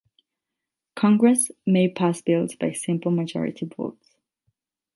Congress may pass bills by simple majority votes.